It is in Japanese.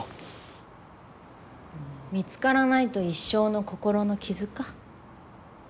見つからないと一生の心の傷か。